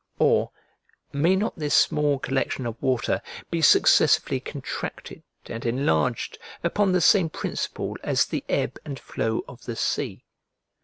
Or, may not this small collection of water be successively contracted and enlarged upon the same principle as the ebb and flow of the sea?